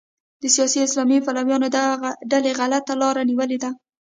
د سیاسي اسلام پلویانو ډلې غلطه لاره نیولې ده.